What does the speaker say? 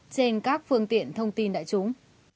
trên các phương tiện thông tin đại chúng